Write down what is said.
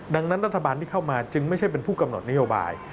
ดังนั้นรัฐบาลที่เข้ามาจึงไม่ใช่เป็นผู้กำหนดนโยบาย